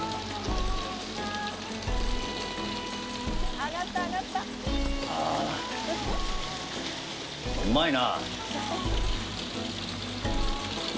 あぁ、うまいなぁ！